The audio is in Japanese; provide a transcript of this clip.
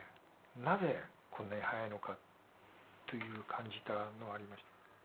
なぜこんなに早いのかという感じたのはありました。